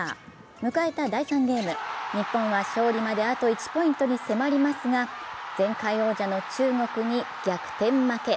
迎えた第３ゲーム、日本は勝利まであと１ポイントに迫りますが、前回王者の中国に逆転負け。